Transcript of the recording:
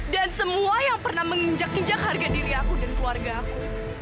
dan semua yang pernah menginjak injak harga diri aku dan keluarga aku